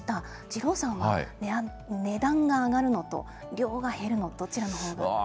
二郎さんは値段が上がるのと、量が減るの、どちらが？